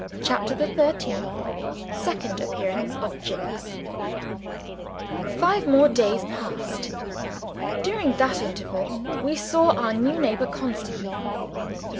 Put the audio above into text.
CHAPTER THE THIRTEENTH Second Appearance of Jicks FIVE more days passed. During that interval, we saw our new neighbor constantly.